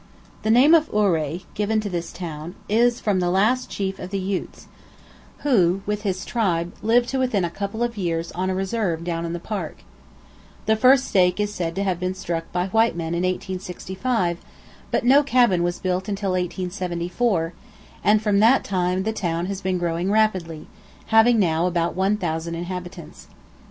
The name of Ouray, given to this town, is from the last chief of the Utes, who, with his tribe, lived to within a couple of years on a reserve down in the Park. The first stake is said to have been struck by white men in 1865, but no cabin was built until 1874, and from that time the town has been growing rapidly, having now about 1,000 inhabitants.